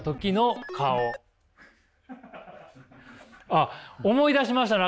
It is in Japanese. あ思い出しました？